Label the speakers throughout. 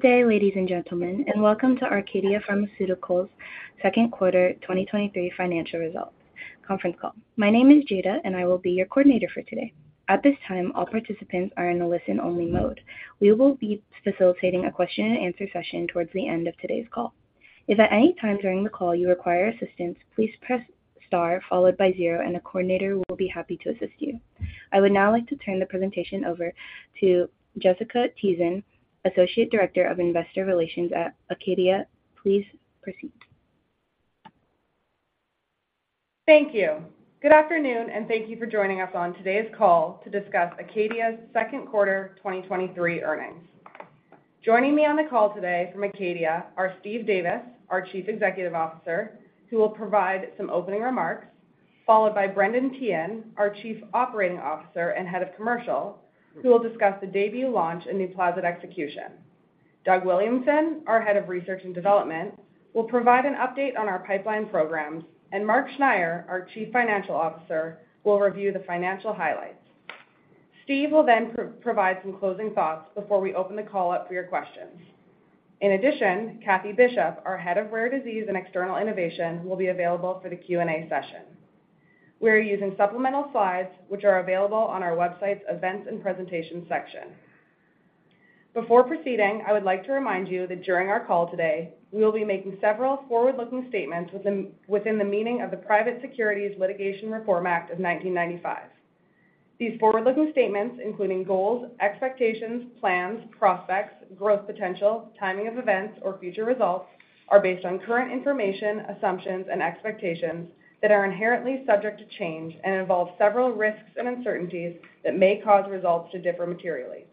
Speaker 1: Good day, ladies and gentlemen, welcome to Acadia Pharmaceuticals' second quarter 2023 financial results conference call. My name is Jada, and I will be your coordinator for today. At this time, all participants are in a listen-only mode. We will be facilitating a question-and-answer session towards the end of today's call. If at any time during the call you require assistance, please press star followed by zero, and a coordinator will be happy to assist you. I would now like to turn the presentation over to Jessica Tieszen, Associate Director of Investor Relations at Acadia. Please proceed.
Speaker 2: Thank you. Good afternoon, and thank you for joining us on today's call to discuss ACADIA's second quarter 2023 earnings. Joining me on the call today from ACADIA are Steve Davis, our Chief Executive Officer, who will provide some opening remarks, followed by Brendan Teehan, our Chief Operating Officer and Head of Commercial, who will discuss the DAYBUE launch and NUPLAZID execution. Doug Williamson, our Head of Research and Development, will provide an update on our pipeline programs, and Mark Schneyer, our Chief Financial Officer, will review the financial highlights. Steve will then provide some closing thoughts before we open the call up for your questions. In addition, Kathy Bishop, our Head of Rare Disease and External Innovation, will be available for the Q&A session. We are using supplemental slides, which are available on our website's Events and Presentation section. Before proceeding, I would like to remind you that during our call today, we will be making several forward-looking statements within the meaning of the Private Securities Litigation Reform Act of 1995. These forward-looking statements, including goals, expectations, plans, prospects, growth potential, timing of events, or future results, are based on current information, assumptions, and expectations that are inherently subject to change and involve several risks and uncertainties that may cause results to differ materially.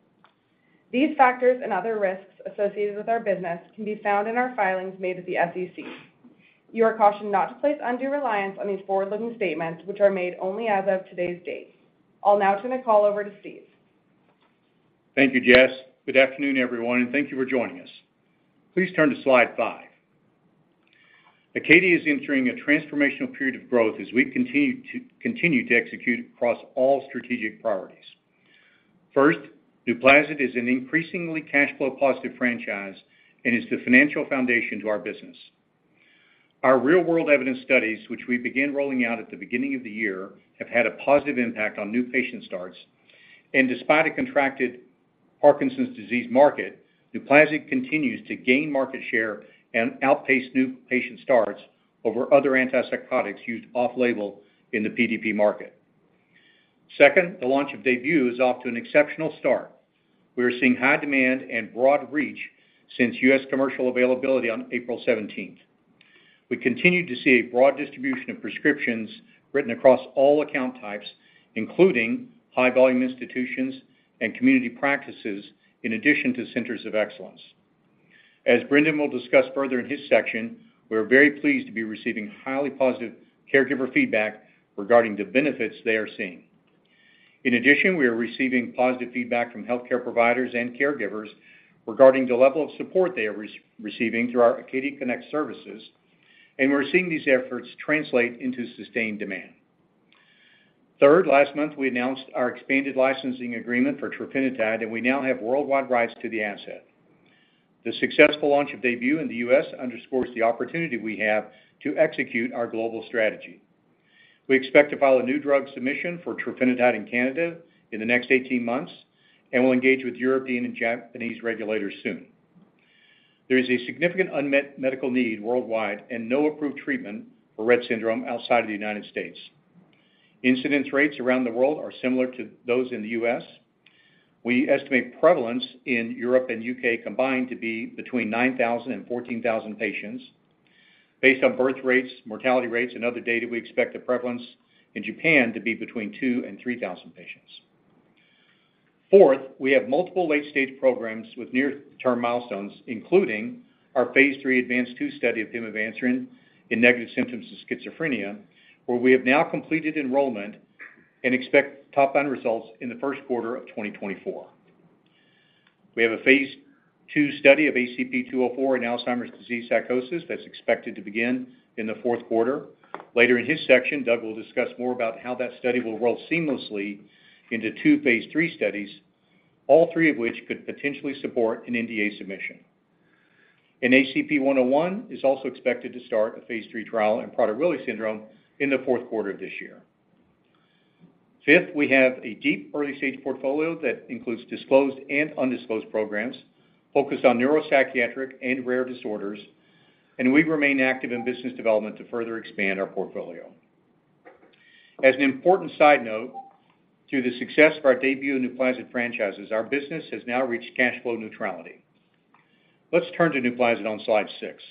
Speaker 2: These factors and other risks associated with our business can be found in our filings made with the SEC. You are cautioned not to place undue reliance on these forward-looking statements, which are made only as of today's date. I'll now turn the call over to Steve.
Speaker 3: Thank you, Jess. Good afternoon, everyone. Thank you for joining us. Please turn to slide 5. ACADIA is entering a transformational period of growth as we continue to execute across all strategic priorities. First, NUPLAZID is an increasingly cash flow positive franchise and is the financial foundation to our business. Our real-world evidence studies, which we began rolling out at the beginning of the year, have had a positive impact on new patient starts. Despite a contracted Parkinson's disease market, NUPLAZID continues to gain market share and outpace new patient starts over other antipsychotics used off-label in the PDP market. Second, the launch of DAYBUE is off to an exceptional start. We are seeing high demand and broad reach since U.S. commercial availability on April 17th. We continue to see a broad distribution of prescriptions written across all account types, including high-volume institutions and community practices, in addition to centers of excellence. As Brendan will discuss further in his section, we are very pleased to be receiving highly positive caregiver feedback regarding the benefits they are seeing. In addition, we are receiving positive feedback from healthcare providers and caregivers regarding the level of support they are receiving through our Acadia Connect services, and we're seeing these efforts translate into sustained demand. Third, last month, we announced our expanded licensing agreement for trofinetide, and we now have worldwide rights to the asset. The successful launch of DAYBUE in the U.S. underscores the opportunity we have to execute our global strategy. We expect to file a new drug submission for trofinetide in Canada in the next 18 months and will engage with European and Japanese regulators soon. There is a significant unmet medical need worldwide and no approved treatment for Rett syndrome outside of the United States. Incidence rates around the world are similar to those in the U.S. We estimate prevalence in Europe and U.K. combined to be between 9,000 and 14,000 patients. Based on birth rates, mortality rates, and other data, we expect the prevalence in Japan to be between 2,000 and 3,000 patients. Fourth, we have multiple late-stage programs with near-term milestones, including our phase 3 ADVANCE-2 study of pimavanserin in negative symptoms of schizophrenia, where we have now completed enrollment and expect top-line results in the first quarter of 2024. We have a phase 2 study of ACP-204 in Alzheimer's disease psychosis that's expected to begin in the fourth quarter. Later in his section, Doug will discuss more about how that study will roll seamlessly into 2 phase 3 studies, all 3 of which could potentially support an NDA submission. ACP-101 is also expected to start a phase 3 trial in Prader-Willi syndrome in the 4th quarter of this year. Fifth, we have a deep early-stage portfolio that includes disclosed and undisclosed programs focused on neuropsychiatric and rare disorders, and we remain active in business development to further expand our portfolio. As an important side note, through the success of our DAYBUE NUPLAZID franchises, our business has now reached cash flow neutrality. Let's turn to NUPLAZID on slide 6.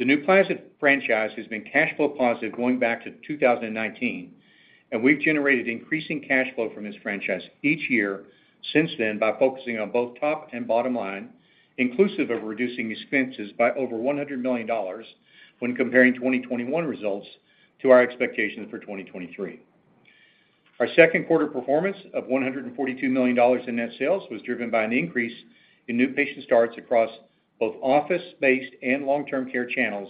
Speaker 3: The NUPLAZID franchise has been cash flow positive going back to 2019. We've generated increasing cash flow from this franchise each year since then by focusing on both top and bottom line, inclusive of reducing expenses by over $100 million when comparing 2021 results to our expectations for 2023. Our second quarter performance of $142 million in net sales was driven by an increase in new patient starts across both office-based and LTC channels,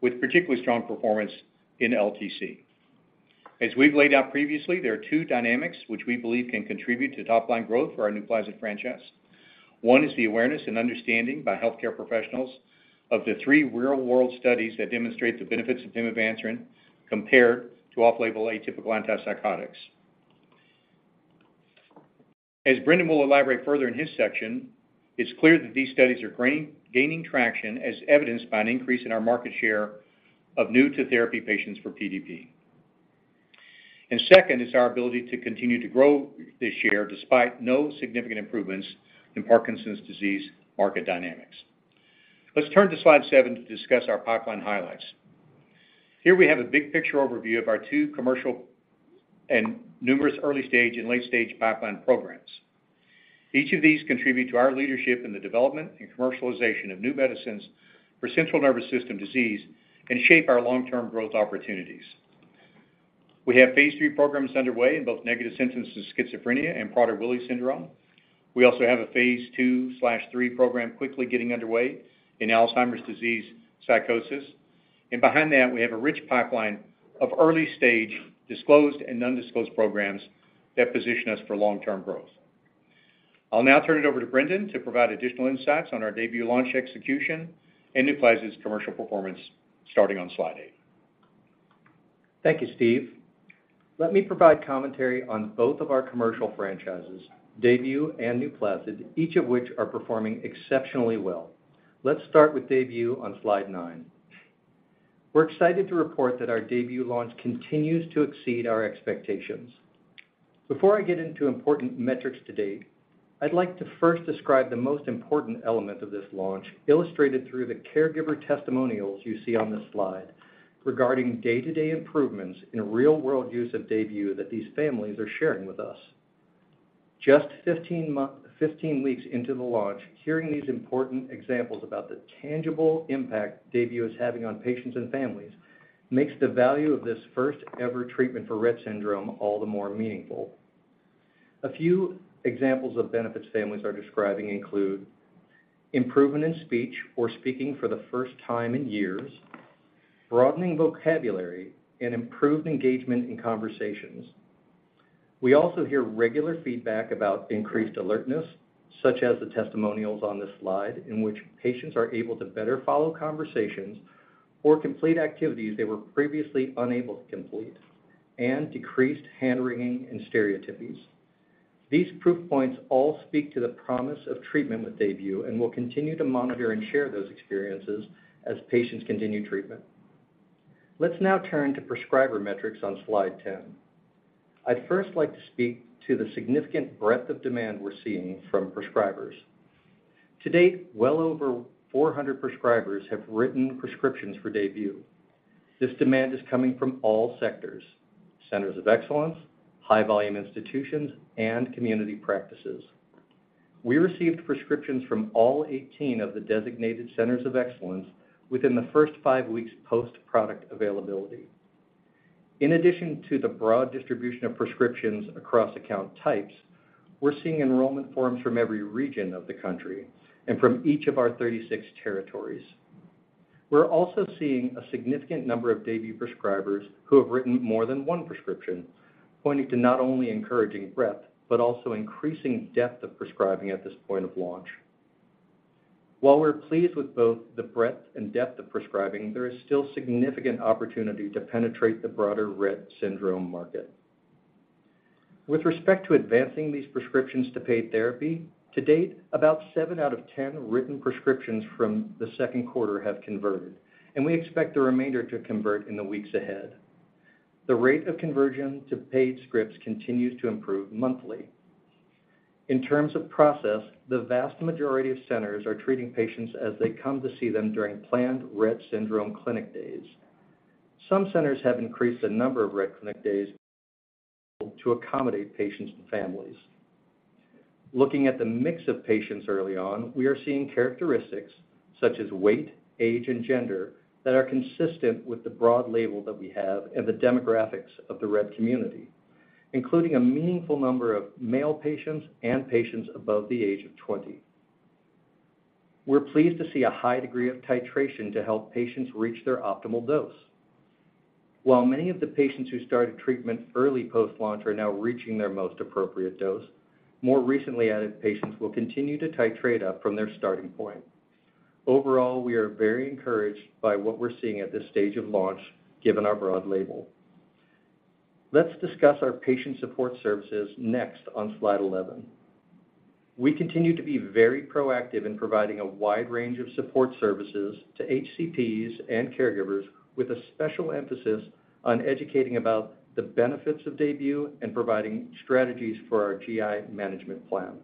Speaker 3: with particularly strong performance in LTC. As we've laid out previously, there are two dynamics which we believe can contribute to top-line growth for our NUPLAZID franchise. One is the awareness and understanding by healthcare professionals of the three real-world studies that demonstrate the benefits of pimavanserin compared to off-label atypical antipsychotics. As Brendan will elaborate further in his section, it's clear that these studies are gaining, gaining traction, as evidenced by an increase in our market share of new-to-therapy patients for PDP. Second is our ability to continue to grow this year despite no significant improvements in Parkinson's disease market dynamics. Let's turn to slide 7 to discuss our pipeline highlights. Here we have a big picture overview of our 2 commercial and numerous early-stage and late-stage pipeline programs. Each of these contribute to our leadership in the development and commercialization of new medicines for Central Nervous System disease and shape our long-term growth opportunities. We have phase 3 programs underway in both negative symptoms of schizophrenia and Prader-Willi syndrome. We also have a phase 2/3 program quickly getting underway in Alzheimer's disease psychosis. Behind that, we have a rich pipeline of early-stage disclosed and undisclosed programs that position us for long-term growth. I'll now turn it over to Brendan to provide additional insights on our DAYBUE launch execution and NUPLAZID's commercial performance, starting on slide eight.
Speaker 4: Thank you, Steve. Let me provide commentary on both of our commercial franchises, DAYBUE and NUPLAZID, each of which are performing exceptionally well. Let's start with DAYBUE on slide nine. We're excited to report that our DAYBUE launch continues to exceed our expectations. Before I get into important metrics to date, I'd like to first describe the most important element of this launch, illustrated through the caregiver testimonials you see on this slide, regarding day-to-day improvements in real-world use of DAYBUE that these families are sharing with us. Just 15 weeks into the launch, hearing these important examples about the tangible impact DAYBUE is having on patients and families makes the value of this first-ever treatment for Rett syndrome all the more meaningful. A few examples of benefits families are describing include: improvement in speech or speaking for the first time in years, broadening vocabulary, and improved engagement in conversations. We also hear regular feedback about increased alertness, such as the testimonials on this slide, in which patients are able to better follow conversations or complete activities they were previously unable to complete, and decreased hand-wringing and stereotypies. These proof points all speak to the promise of treatment with DAYBUE, and we'll continue to monitor and share those experiences as patients continue treatment. Let's now turn to prescriber metrics on slide 10. I'd first like to speak to the significant breadth of demand we're seeing from prescribers. To date, well over 400 prescribers have written prescriptions for DAYBUE. This demand is coming from all sectors: centers of excellence, high-volume institutions, and community practices. We received prescriptions from all 18 of the designated centers of excellence within the first 5 weeks post-product availability. In addition to the broad distribution of prescriptions across account types, we're seeing enrollment forms from every region of the country and from each of our 36 territories. We're also seeing a significant number of DAYBUE prescribers who have written more than 1 prescription, pointing to not only encouraging breadth, but also increasing depth of prescribing at this point of launch. While we're pleased with both the breadth and depth of prescribing, there is still significant opportunity to penetrate the broader Rett syndrome market. With respect to advancing these prescriptions to paid therapy, to date, about 7 out of 10 written prescriptions from the second quarter have converted, and we expect the remainder to convert in the weeks ahead. The rate of conversion to paid scripts continues to improve monthly. In terms of process, the vast majority of centers are treating patients as they come to see them during planned Rett syndrome clinic days. Some centers have increased the number of Rett clinic days to accommodate patients and families. Looking at the mix of patients early on, we are seeing characteristics such as weight, age, and gender that are consistent with the broad label that we have and the demographics of the Rett community, including a meaningful number of male patients and patients above the age of 20. We're pleased to see a high degree of titration to help patients reach their optimal dose. While many of the patients who started treatment early post-launch are now reaching their most appropriate dose, more recently added patients will continue to titrate up from their starting point. Overall, we are very encouraged by what we're seeing at this stage of launch, given our broad label. Let's discuss our patient support services next on slide 11. We continue to be very proactive in providing a wide range of support services to HCPs and caregivers, with a special emphasis on educating about the benefits of DAYBUE and providing strategies for our GI management plan.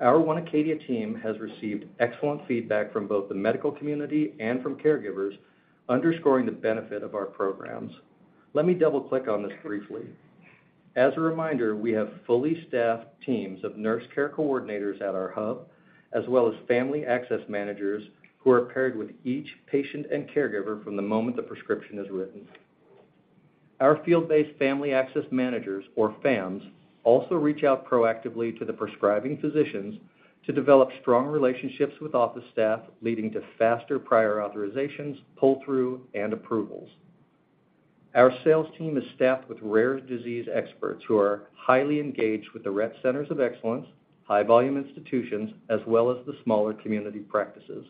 Speaker 4: Our One Acadia team has received excellent feedback from both the medical community and from caregivers, underscoring the benefit of our programs. Let me double-click on this briefly. As a reminder, we have fully staffed teams of nurse care coordinators at our hub, as well as Family Access Managers, who are paired with each patient and caregiver from the moment the prescription is written. Our field-based Family Access Managers, or FAMs, also reach out proactively to the prescribing physicians to develop strong relationships with office staff, leading to faster prior authorizations, pull-through, and approvals. Our sales team is staffed with rare disease experts who are highly engaged with the Rett Centers of Excellence, high-volume institutions, as well as the smaller community practices.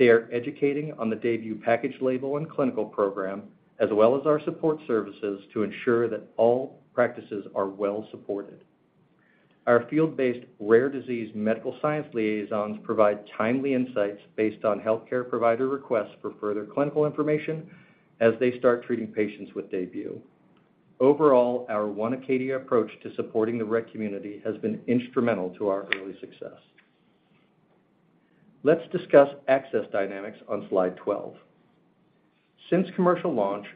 Speaker 4: They are educating on the DAYBUE package label and clinical program, as well as our support services to ensure that all practices are well supported. Our field-based rare disease medical science liaisons provide timely insights based on healthcare provider requests for further clinical information as they start treating patients with DAYBUE. Overall, our One ACADIA approach to supporting the Rett community has been instrumental to our early success. Let's discuss access dynamics on slide 12. Since commercial launch,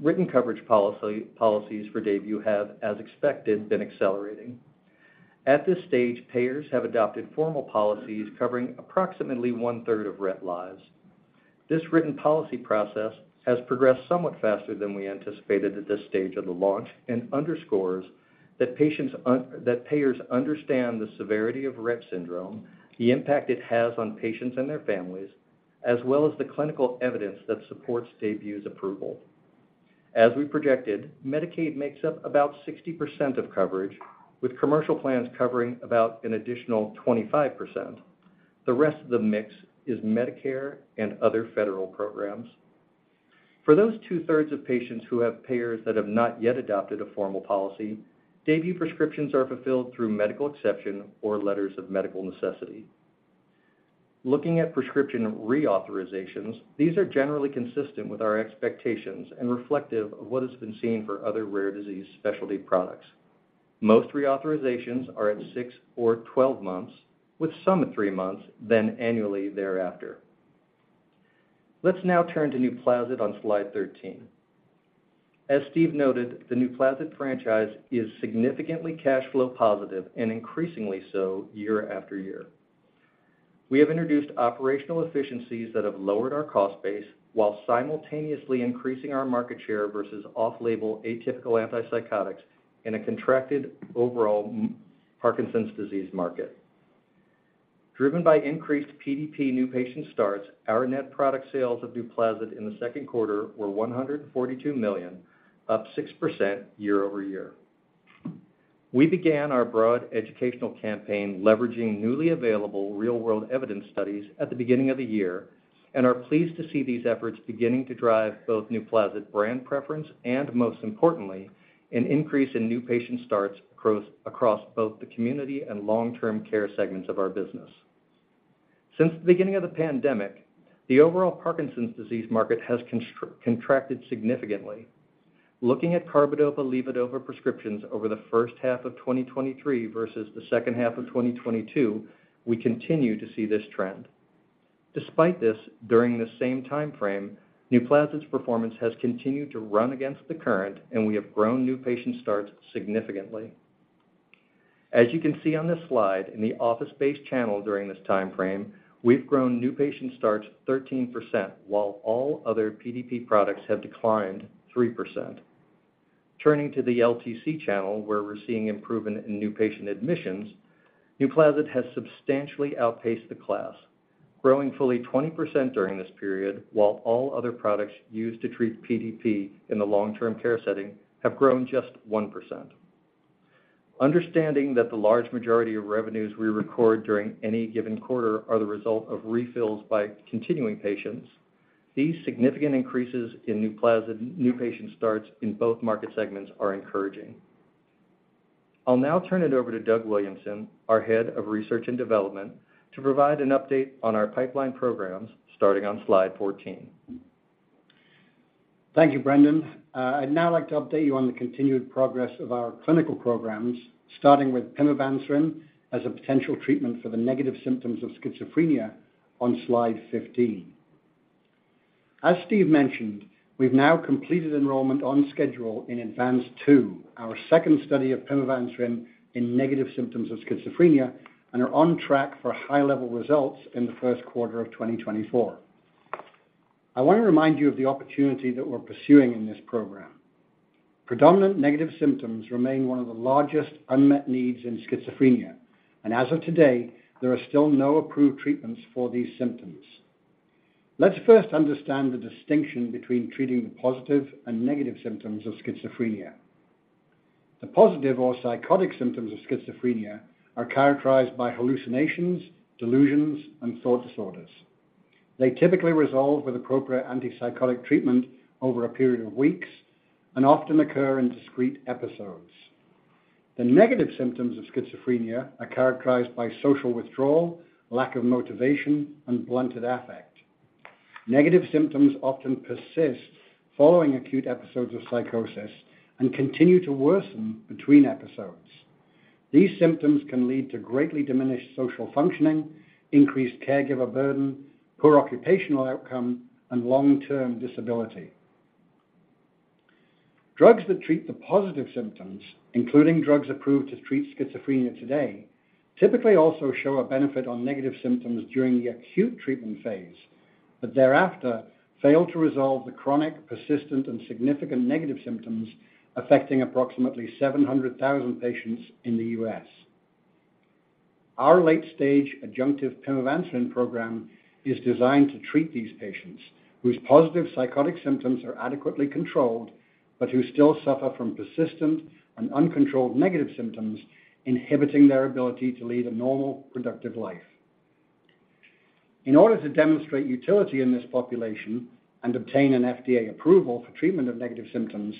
Speaker 4: written coverage policy, policies for DAYBUE have, as expected, been accelerating. At this stage, payers have adopted formal policies covering approximately one-third of Rett lives. This written policy process has progressed somewhat faster than we anticipated at this stage of the launch and underscores that payers understand the severity of Rett syndrome, the impact it has on patients and their families, as well as the clinical evidence that supports DAYBUE's approval. As we projected, Medicaid makes up about 60% of coverage, with commercial plans covering about an additional 25%. The rest of the mix is Medicare and other federal programs. For those two-thirds of patients who have payers that have not yet adopted a formal policy, DAYBUE prescriptions are fulfilled through medical exception or letters of medical necessity. Looking at prescription reauthorizations, these are generally consistent with our expectations and reflective of what has been seen for other rare disease specialty products. Most reauthorizations are at 6 or 12 months, with some at 3 months, then annually thereafter. Let's now turn to NUPLAZID on slide 13. As Steve noted, the NUPLAZID franchise is significantly cash flow positive and increasingly so year after year. We have introduced operational efficiencies that have lowered our cost base while simultaneously increasing our market share versus off-label atypical antipsychotics in a contracted overall Parkinson's disease market. Driven by increased PDP new patient starts, our net product sales of NUPLAZID in the second quarter were $142 million, up 6% year-over-year. We began our broad educational campaign leveraging newly available real-world evidence studies at the beginning of the year, and are pleased to see these efforts beginning to drive both NUPLAZID brand preference, and most importantly, an increase in new patient starts across both the community and long-term care segments of our business. Since the beginning of the pandemic, the overall Parkinson's disease market has contracted significantly. Looking at carbidopa/levodopa prescriptions over the first half of 2023 versus the second half of 2022, we continue to see this trend. Despite this, during the same time frame, NUPLAZID's performance has continued to run against the current, and we have grown new patient starts significantly. As you can see on this slide, in the office-based channel during this time frame, we've grown new patient starts 13%, while all other PDP products have declined 3%. Turning to the LTC channel, where we're seeing improvement in new patient admissions, NUPLAZID has substantially outpaced the class, growing fully 20% during this period, while all other products used to treat PDP in the long-term care setting have grown just 1%. Understanding that the large majority of revenues we record during any given quarter are the result of refills by continuing patients, these significant increases in NUPLAZID new patient starts in both market segments are encouraging. I'll now turn it over to Doug Williamson, our Head of Research and Development, to provide an update on our pipeline programs, starting on slide 14.
Speaker 5: Thank you, Brendan. I'd now like to update you on the continued progress of our clinical programs, starting with pimavanserin as a potential treatment for the negative symptoms of schizophrenia on slide 15. As Steve mentioned, we've now completed enrollment on schedule in ADVANCE-2, our second study of pimavanserin in negative symptoms of schizophrenia, and are on track for high-level results in the first quarter of 2024. I want to remind you of the opportunity that we're pursuing in this program. Predominant negative symptoms remain one of the largest unmet needs in schizophrenia. As of today, there are still no approved treatments for these symptoms. Let's first understand the distinction between treating the positive and negative symptoms of schizophrenia. The positive or psychotic symptoms of schizophrenia are characterized by hallucinations, delusions, and thought disorders. They typically resolve with appropriate antipsychotic treatment over a period of weeks and often occur in discrete episodes. The negative symptoms of schizophrenia are characterized by social withdrawal, lack of motivation, and blunted affect. Negative symptoms often persist following acute episodes of psychosis and continue to worsen between episodes. These symptoms can lead to greatly diminished social functioning, increased caregiver burden, poor occupational outcome, and long-term disability. Drugs that treat the positive symptoms, including drugs approved to treat schizophrenia today, typically also show a benefit on negative symptoms during the acute treatment phase, but thereafter, fail to resolve the chronic, persistent, and significant negative symptoms affecting approximately 700,000 patients in the U.S. Our late-stage adjunctive pimavanserin program is designed to treat these patients, whose positive psychotic symptoms are adequately controlled, but who still suffer from persistent and uncontrolled negative symptoms, inhibiting their ability to lead a normal, productive life. In order to demonstrate utility in this population and obtain an FDA approval for treatment of negative symptoms,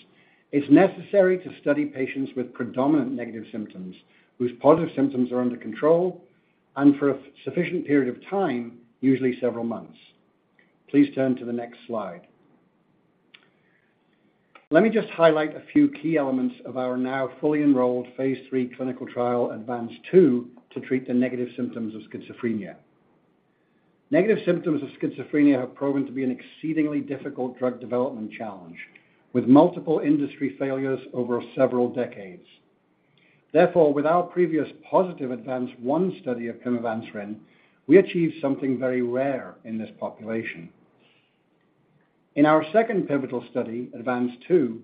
Speaker 5: it's necessary to study patients with predominant negative symptoms, whose positive symptoms are under control and for a sufficient period of time, usually several months. Please turn to the next slide. Let me just highlight a few key elements of our now fully enrolled Phase 3 clinical trial, ADVANCE 2, to treat the negative symptoms of schizophrenia. Negative symptoms of schizophrenia have proven to be an exceedingly difficult drug development challenge, with multiple industry failures over several decades. Therefore, with our previous positive ADVANCE-1 study of pimavanserin, we achieved something very rare in this population. In our second pivotal study, ADVANCE-2,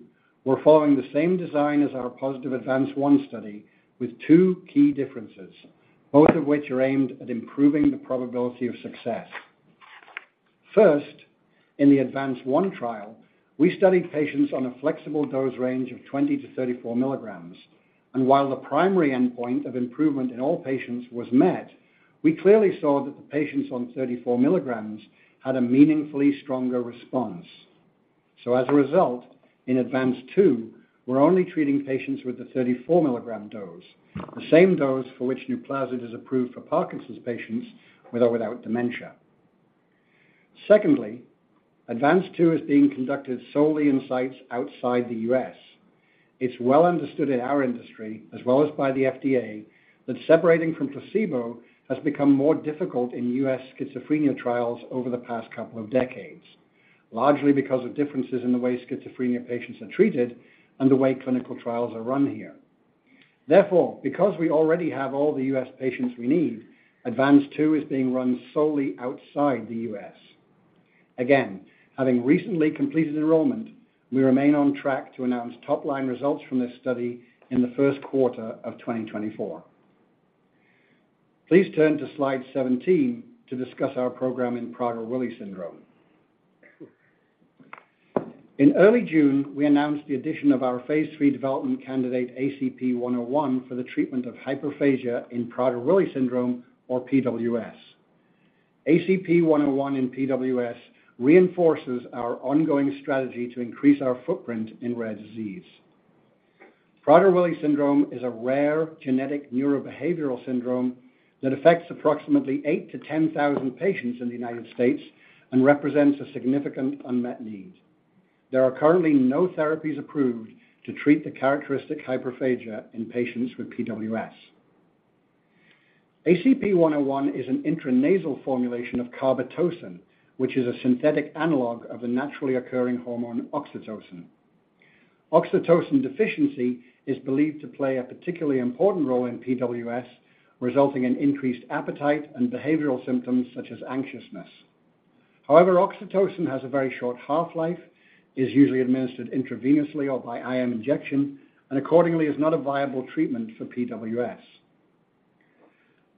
Speaker 5: we're following the same design as our positive ADVANCE-1 study, with two key differences, both of which are aimed at improving the probability of success. First, in the ADVANCE-1 trial, we studied patients on a flexible dose range of 20-34 milligrams, and while the primary endpoint of improvement in all patients was met, we clearly saw that the patients on 34 milligrams had a meaningfully stronger response. As a result, in ADVANCE-2, we're only treating patients with the 34 milligram dose, the same dose for which NUPLAZID is approved for Parkinson's patients, with or without dementia. Secondly, ADVANCE-2 is being conducted solely in sites outside the U.S. It's well understood in our industry, as well as by the FDA, that separating from placebo has become more difficult in U.S. schizophrenia trials over the past couple of decades, largely because of differences in the way schizophrenia patients are treated and the way clinical trials are run here. Therefore, because we already have all the U.S. patients we need, ADVANCE-2 is being run solely outside the U.S. Again, having recently completed enrollment, we remain on track to announce top-line results from this study in the first quarter of 2024. Please turn to slide 17 to discuss our program in Prader-Willi syndrome. In early June, we announced the addition of our phase 3 development candidate, ACP-101, for the treatment of hyperphagia in Prader-Willi syndrome, or PWS. ACP-101 in PWS reinforces our ongoing strategy to increase our footprint in rare disease. Prader-Willi syndrome is a rare genetic neurobehavioral syndrome that affects approximately 8,000-10,000 patients in the United States and represents a significant unmet need. There are currently no therapies approved to treat the characteristic hyperphagia in patients with PWS. ACP-101 is an intranasal formulation of carbetocin, which is a synthetic analog of the naturally occurring hormone, oxytocin. Oxytocin deficiency is believed to play a particularly important role in PWS, resulting in increased appetite and behavioral symptoms such as anxiousness. However, oxytocin has a very short half-life, is usually administered intravenously or by IM injection, and accordingly, is not a viable treatment for PWS.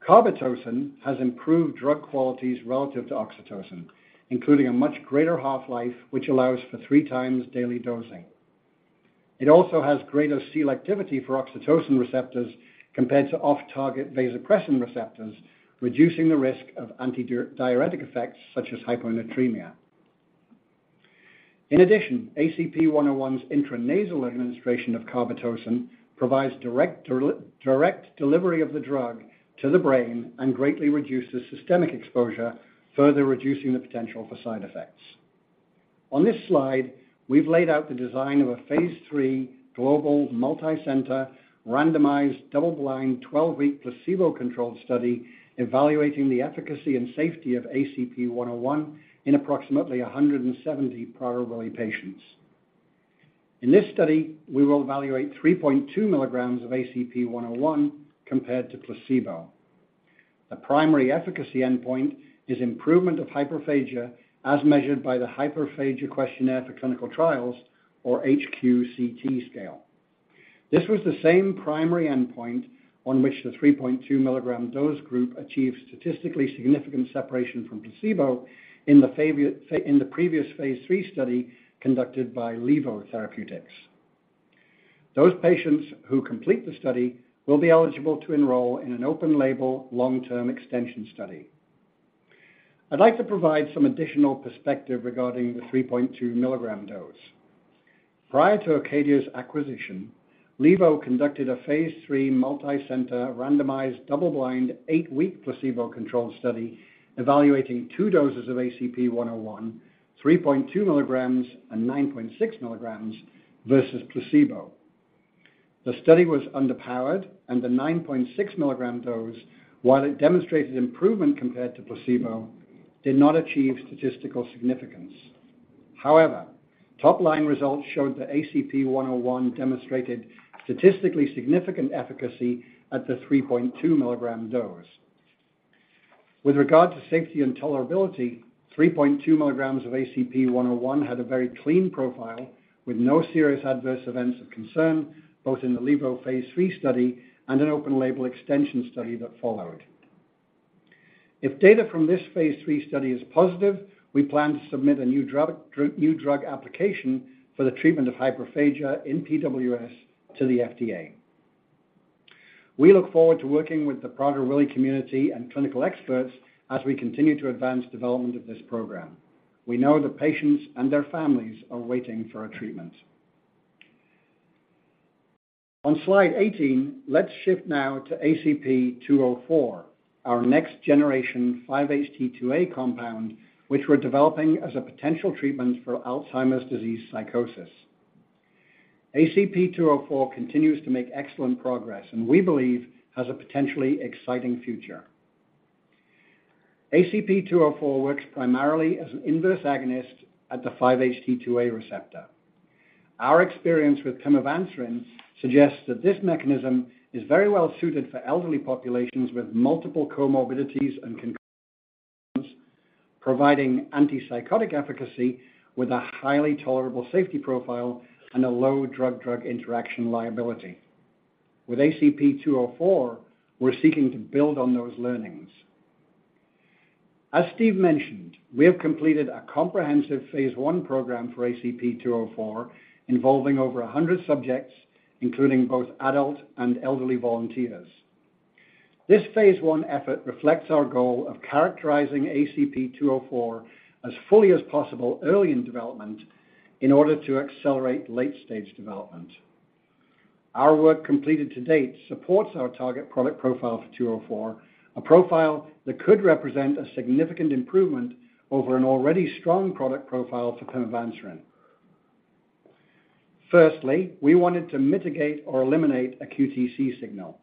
Speaker 5: Carbetocin has improved drug qualities relative to oxytocin, including a much greater half-life, which allows for 3 times daily dosing. It also has greater selectivity for oxytocin receptors compared to off-target vasopressin receptors, reducing the risk of antidiuretic effects, such as hyponatremia. In addition, ACP101's intranasal administration of carbetocin provides direct delivery of the drug to the brain and greatly reduces systemic exposure, further reducing the potential for side effects. On this slide, we've laid out the design of a phase 3 global, multicenter, randomized, double-blind, 12-week placebo-controlled study, evaluating the efficacy and safety of ACP101 in approximately 170 Prader-Willi patients. In this study, we will evaluate 3.2 milligrams of ACP101 compared to placebo. The primary efficacy endpoint is improvement of hyperphagia, as measured by the Hyperphagia Questionnaire for Clinical Trials, or HQCT scale. This was the same primary endpoint on which the 3.2 milligram dose group achieved statistically significant separation from placebo in the previous phase 3 study conducted by Levo Therapeutics. Those patients who complete the study will be eligible to enroll in an open-label, long-term extension study. I'd like to provide some additional perspective regarding the 3.2 milligram dose. Prior to ACADIA's acquisition, Leevo conducted a Phase 3 multicenter, randomized, double-blind, 8-week placebo-controlled study, evaluating two doses of ACP-101, 3.2 milligrams and 9.6 milligrams, versus placebo. The study was underpowered, and the 9.6 milligram dose, while it demonstrated improvement compared to placebo, did not achieve statistical significance. However, top-line results showed that ACP-101 demonstrated statistically significant efficacy at the 3.2 milligram dose. With regard to safety and tolerability, 3.2 milligrams of ACP-101 had a very clean profile, with no serious adverse events of concern, both in the Leevo Phase 3 study and an open-label extension study that followed. If data from this Phase 3 study is positive, we plan to submit a new drug application for the treatment of hyperphagia in PWS to the FDA. We look forward to working with the Prader-Willi community and clinical experts as we continue to advance development of this program. We know the patients and their families are waiting for a treatment. On slide 18, let's shift now to ACP-204, our next generation 5-HT2A compound, which we're developing as a potential treatment for Alzheimer's disease psychosis. ACP-204 continues to make excellent progress, and we believe has a potentially exciting future. ACP-204 works primarily as an inverse agonist at the 5-HT2A receptor. Our experience with pimavanserin suggests that this mechanism is very well suited for elderly populations with multiple comorbidities and concurrent conditions, providing antipsychotic efficacy with a highly tolerable safety profile and a low drug-drug interaction liability. With ACP-204, we're seeking to build on those learnings. As Steve mentioned, we have completed a comprehensive Phase 1 program for ACP-204, involving over 100 subjects, including both adult and elderly volunteers. This Phase 1 effort reflects our goal of characterizing ACP-204 as fully as possible early in development in order to accelerate late-stage development. Our work completed to date supports our target product profile for 204, a profile that could represent a significant improvement over an already strong product profile for pimavanserin. Firstly, we wanted to mitigate or eliminate a QTC signal.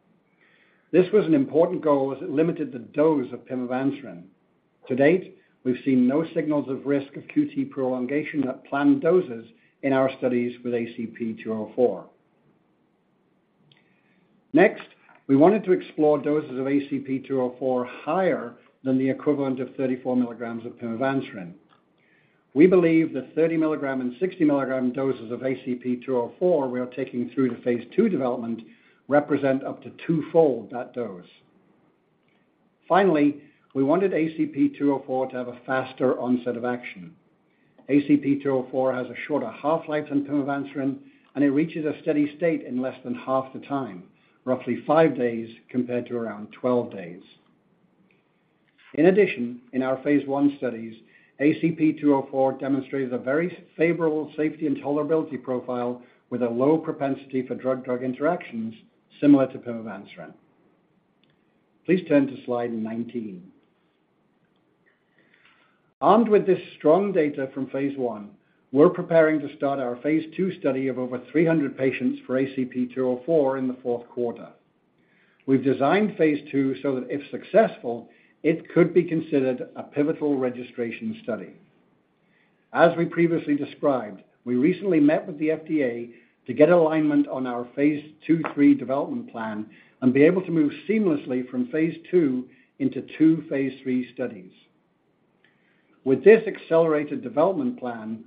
Speaker 5: This was an important goal as it limited the dose of pimavanserin. To date, we've seen no signals of risk of QT prolongation at planned doses in our studies with ACP204. Next, we wanted to explore doses of ACP204 higher than the equivalent of 34 milligrams of pimavanserin. We believe the 30 milligram and 60 milligram doses of ACP204 we are taking through to Phase 2 development represent up to twofold that dose. Finally, we wanted ACP204 to have a faster onset of action. ACP204 has a shorter half-life than pimavanserin, and it reaches a steady state in less than half the time, roughly 5 days compared to around 12 days. In addition, in our Phase 1 studies, ACP204 demonstrated a very favorable safety and tolerability profile with a low propensity for drug-drug interactions similar to pimavanserin. Please turn to slide 19. Armed with this strong data from phase 1, we're preparing to start our phase 2 study of over 300 patients for ACP-204 in the 4th quarter. We've designed phase 2 so that if successful, it could be considered a pivotal registration study. As we previously described, we recently met with the FDA to get alignment on our phase 2/3 development plan and be able to move seamlessly from phase 2 into 2 phase 3 studies. With this accelerated development plan,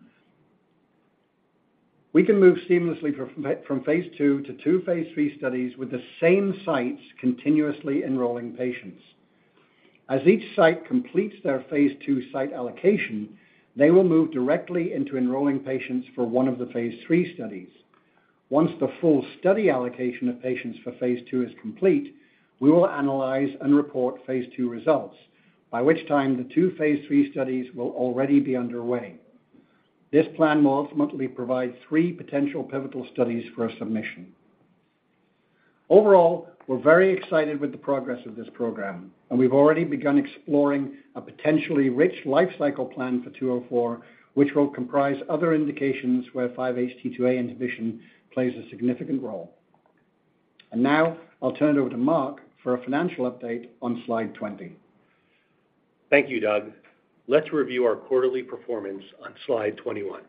Speaker 5: we can move seamlessly from phase 2 to 2 phase 3 studies with the same sites continuously enrolling patients. As each site completes their phase 2 site allocation, they will move directly into enrolling patients for 1 of the phase 3 studies. Once the full study allocation of patients for phase 2 is complete, we will analyze and report phase 2 results, by which time the two phase 3 studies will already be underway. This plan will ultimately provide 3 potential pivotal studies for a submission. Overall, we're very excited with the progress of this program. We've already begun exploring a potentially rich life cycle plan for 204, which will comprise other indications where 5-HT2A inhibition plays a significant role. Now I'll turn it over to Mark for a financial update on slide 20.
Speaker 6: Thank you, Doug. Let's review our quarterly performance on slide 21.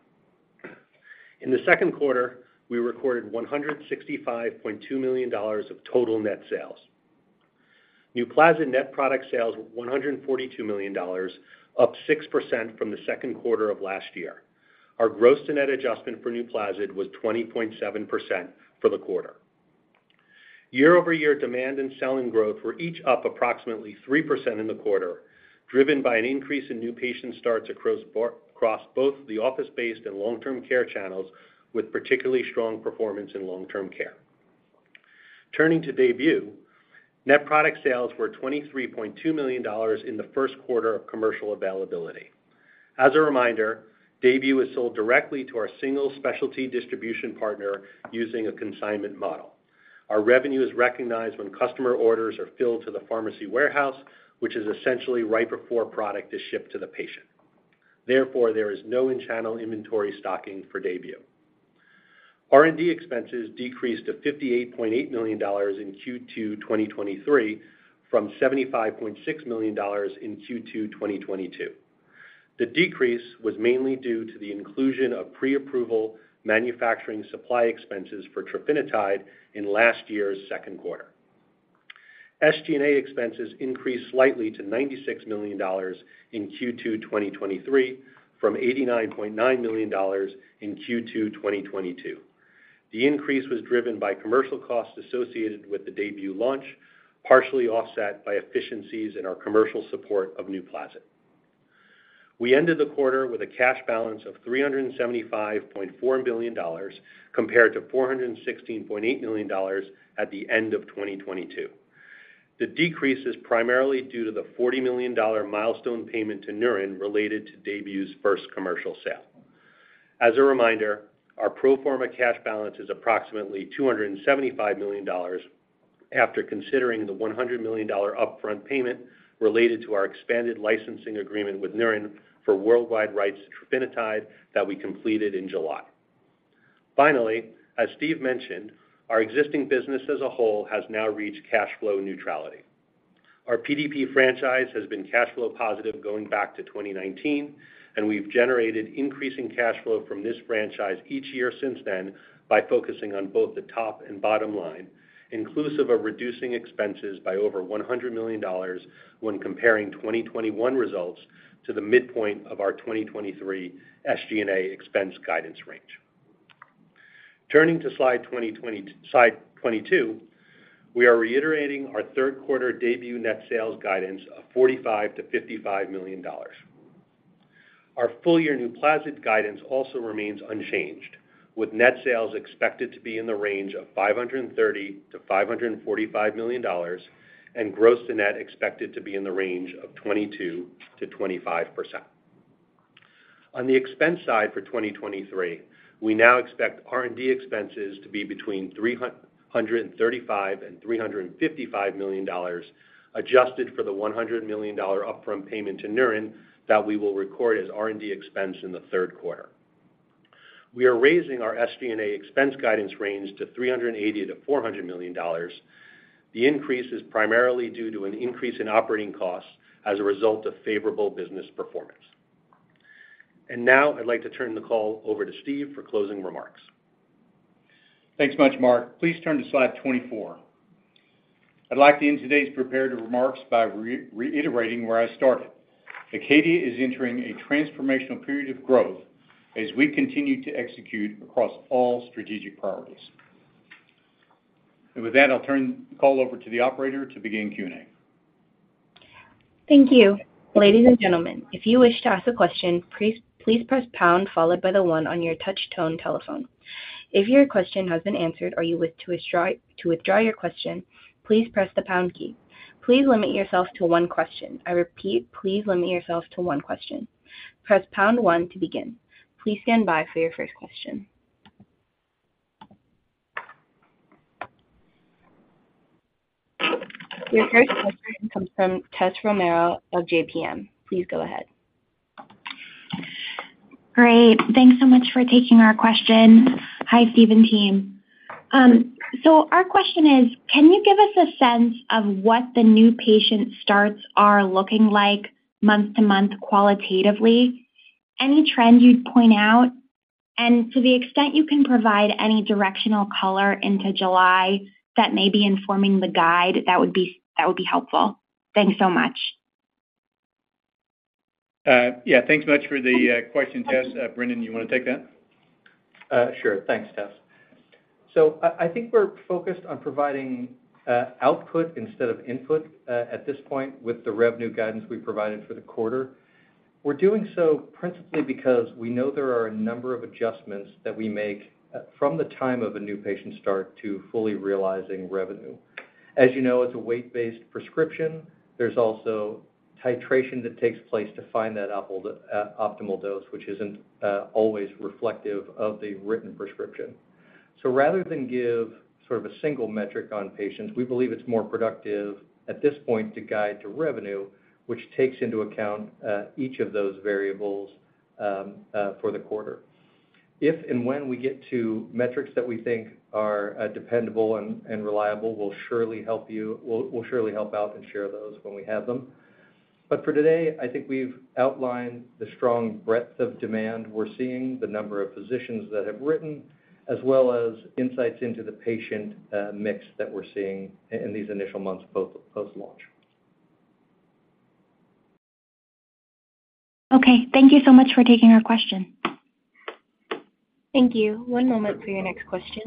Speaker 6: In the second quarter, we recorded $165.2 million of total net sales. NUPLAZID net product sales, $142 million, up 6% from the second quarter of last year. Our gross-to-net adjustment for NUPLAZID was 20.7% for the quarter. Year-over-year, demand and selling growth were each up approximately 3% in the quarter, driven by an increase in new patient starts across both the office-based and long-term care channels, with particularly strong performance in long-term care. Turning to DAYBUE, net product sales were $23.2 million in the first quarter of commercial availability. As a reminder, DAYBUE is sold directly to our single specialty distribution partner using a consignment model. Our revenue is recognized when customer orders are filled to the pharmacy warehouse, which is essentially right before product is shipped to the patient. Therefore, there is no in-channel inventory stocking for DAYBUE. R&D expenses decreased to $58.8 million in Q2 2023 from $75.6 million in Q2 2022. The decrease was mainly due to the inclusion of pre-approval manufacturing supply expenses for trofinetide in last year's second quarter. SG&A expenses increased slightly to $96 million in Q2 2023, from $89.9 million in Q2 2022. The increase was driven by commercial costs associated with the DAYBUE launch, partially offset by efficiencies in our commercial support of NUPLAZID. We ended the quarter with a cash balance of $375.4 billion, compared to $416.8 million at the end of 2022. The decrease is primarily due to the $40 million milestone payment to Neuren related to DAYBUE's first commercial sale. As a reminder, our pro forma cash balance is approximately $275 million after considering the $100 million upfront payment related to our expanded licensing agreement with Neuren for worldwide rights to trofinetide that we completed in July. Finally, as Steve mentioned, our existing business as a whole has now reached cash flow neutrality. Our PDP franchise has been cash flow positive going back to 2019, and we've generated increasing cash flow from this franchise each year since then by focusing on both the top and bottom line, inclusive of reducing expenses by over $100 million when comparing 2021 results to the midpoint of our 2023 SG&A expense guidance range. Turning to slide 22, we are reiterating our third quarter DAYBUE net sales guidance of $45 million-$55 million. Our full-year NUPLAZID guidance also remains unchanged, with net sales expected to be in the range of $530 million-$545 million, and gross-to-net expected to be in the range of 22%-25%. On the expense side for 2023, we now expect R&D expenses to be between $335 million and $355 million, adjusted for the $100 million upfront payment to Neuren that we will record as R&D expense in the third quarter. We are raising our SG&A expense guidance range to $380 million-$400 million. The increase is primarily due to an increase in operating costs as a result of favorable business performance. Now I'd like to turn the call over to Steve for closing remarks.
Speaker 3: Thanks much, Mark. Please turn to slide 24. I'd like to end today's prepared remarks by reiterating where I started. ACADIA is entering a transformational period of growth as we continue to execute across all strategic priorities. With that, I'll turn the call over to the operator to begin Q&A.
Speaker 1: Thank you. Ladies and gentlemen, if you wish to ask a question, please, please press Pound, followed by the one on your touch tone telephone. If your question has been answered or you wish to withdraw your question, please press the Pound key. Please limit yourself to one question. I repeat, please limit yourself to one question. Press Pound one to begin. Please stand by for your first question. Your first question comes from Tessa Romero of JPM. Please go ahead.
Speaker 7: Great. Thanks so much for taking our question. Hi, Steve and team. Our question is, can you give us a sense of what the new patient starts are looking like month-to-month qualitatively? Any trend you'd point out? To the extent you can provide any directional color into July that may be informing the guide, that would be helpful. Thanks so much.
Speaker 3: Yeah, thanks so much for the question, Tess. Brendan, you want to take that?
Speaker 4: Sure. Thanks, Tess. I, I think we're focused on providing output instead of input, at this point with the revenue guidance we provided for the quarter. We're doing so principally because we know there are a number of adjustments that we make, from the time of a new patient start to fully realizing revenue. As you know, it's a weight-based prescription. There's also titration that takes place to find that optimal dose, which isn't always reflective of the written prescription. Rather than give sort of a single metric on patients, we believe it's more productive at this point to guide to revenue, which takes into account each of those variables for the quarter. If and when we get to metrics that we think are, dependable and, and reliable, we'll surely help you, we'll, we'll surely help out and share those when we have them. But for today, I think we've outlined the strong breadth of demand we're seeing, the number of physicians that have written, as well as insights into the patient, mix that we're seeing in these initial months post, post-launch.
Speaker 7: Okay. Thank you so much for taking our question.
Speaker 1: Thank you. One moment for your next question.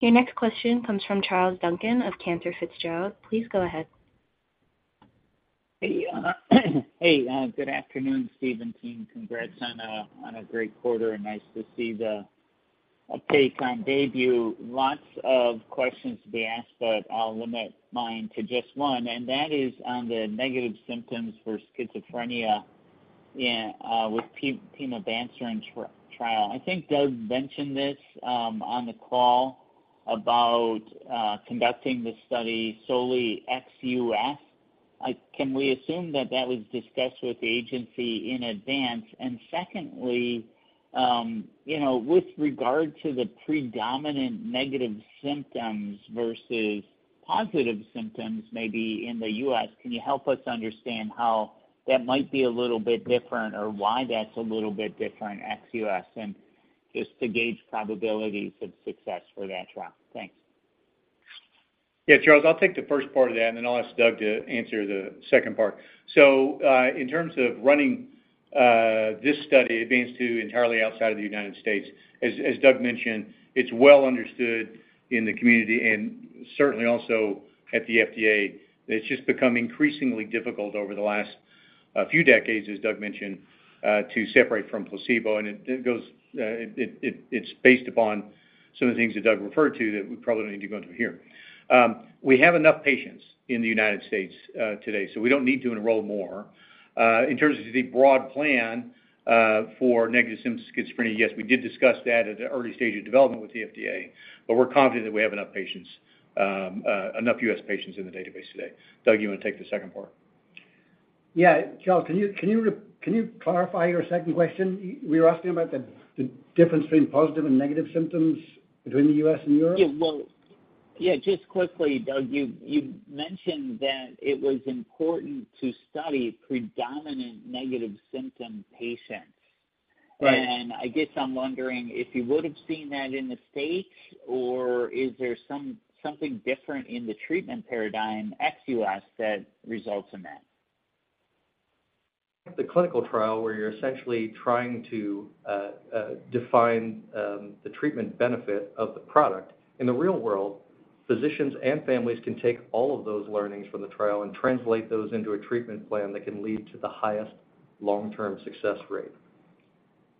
Speaker 1: Your next question comes from Charles Duncan of Cantor Fitzgerald. Please go ahead.
Speaker 8: Hey, hey, good afternoon, Steve and team. Congrats on a great quarter, and nice to see the update on DAYBUE. Lots of questions to be asked, but I'll limit mine to just one, and that is on the negative symptoms for schizophrenia, with pimavanserin trial. I think Doug mentioned this on the call about conducting the study solely ex U.S. Can we assume that that was discussed with the agency in advance? Secondly, you know, with regard to the predominant negative symptoms versus positive symptoms, maybe in the U.S., can you help us understand how that might be a little bit different or why that's a little bit different ex-U.S., and just to gauge probabilities of success for that trial? Thanks.
Speaker 3: Yeah, Charles, I'll take the first part of that, then I'll ask Doug to answer the second part. In terms of running, this study, it beings to entirely outside of the United States. As Doug mentioned, it's well understood in the community and certainly also at the FDA, that it's just become increasingly difficult over the last few decades, as Doug mentioned, to separate from placebo. It goes, it's based upon some of the things that Doug referred to that we probably don't need to go into here. We have enough patients in the United States, today, so we don't need to enroll more. In terms of the broad plan, for negative symptom schizophrenia, yes, we did discuss that at an early stage of development with the FDA, but we're confident that we have enough patients, enough U.S. patients in the database today. Doug, you want to take the second part?
Speaker 5: Yeah. Charles, can you clarify your second question? You were asking about the, the difference between positive and negative symptoms between the U.S. and Europe?
Speaker 8: Yeah. Well, yeah, just quickly, Doug, you, you mentioned that it was important to study predominant negative symptom patients.
Speaker 5: Right.
Speaker 8: I guess I'm wondering if you would have seen that in the States, or is there something different in the treatment paradigm, ex-U.S., that results in that?
Speaker 4: The clinical trial, where you're essentially trying to define the treatment benefit of the product. In the real world, physicians and families can take all of those learnings from the trial and translate those into a treatment plan that can lead to the highest long-term success rate.